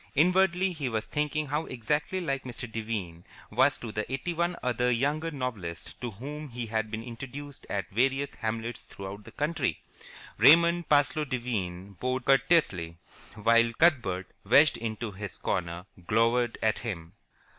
Inwardly he was thinking how exactly like Mr. Devine was to the eighty one other younger novelists to whom he had been introduced at various hamlets throughout the country. Raymond Parsloe Devine bowed courteously, while Cuthbert, wedged into his corner, glowered at him.